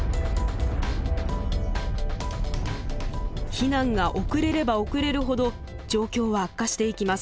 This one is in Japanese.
避難が遅れれば遅れるほど状況は悪化していきます。